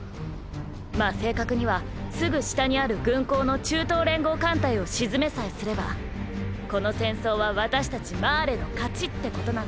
まぁ正確にはすぐ下にある軍港の中東連合艦隊を沈めさえすればこの戦争は私たちマーレの勝ちってことなんだけどね。